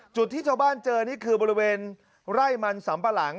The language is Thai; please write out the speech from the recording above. ที่ชาวบ้านเจอนี่คือบริเวณไร่มันสัมปะหลัง